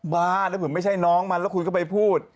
บ้าแล้วผมไม่ใช่น้องมันแล้วคุณก็ไปพูด